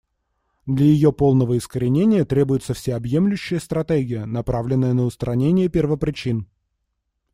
Для ее полного искоренения требуется всеобъемлющая стратегия, направленная на устранение первопричин.